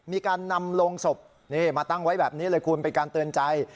มีการนำโรงศพนี่มาตั้งไว้แบบนี้เลยคุณเป็นการเตือนใจ